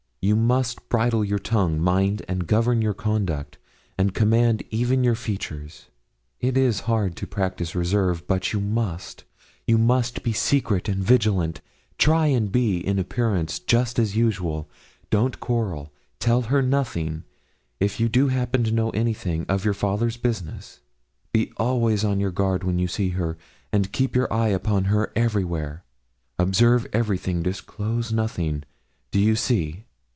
'You must bridle your tongue, mind, and govern your conduct, and command even your features. It is hard to practise reserve; but you must you must be secret and vigilant. Try and be in appearance just as usual; don't quarrel; tell her nothing, if you do happen to know anything, of your father's business; be always on your guard when with her, and keep your eye upon her everywhere. Observe everything, disclose nothing do you see?'